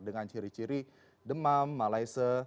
dengan ciri ciri demam malaise